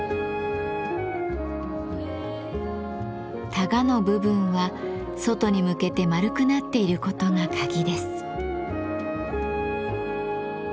たがの部分は外に向けてまるくなっていることが鍵です。